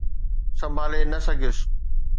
سنڀالي نه سگهيس